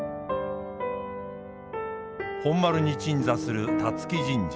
本丸に鎮座する龍城神社。